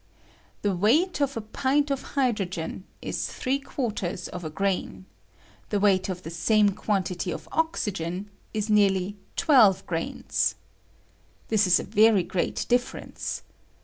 The weight of a pint of hydrogen is three quarters of a grain ; the weight of the same quantity of oxygen is nearly twelve grains. This is a very great difference.